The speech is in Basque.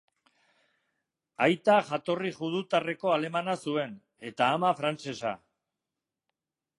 Aita jatorri judutarreko alemana zuen, eta ama frantsesa.